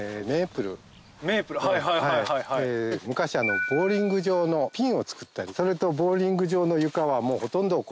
昔ボウリング場のピンを作ったりそれとボウリング場の床はほとんどこれが。